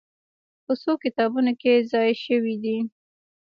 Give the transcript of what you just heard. په څو کتابونو کې ځای شوې دي.